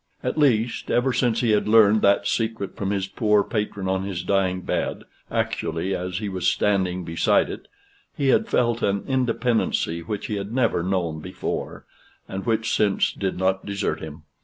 At least, ever since he had learned that secret from his poor patron on his dying bed, actually as he was standing beside it, he had felt an independency which he had never known before, and which since did not desert him.